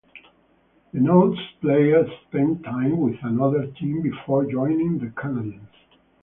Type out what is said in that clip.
Denotes player spent time with another team before joining the Canadiens.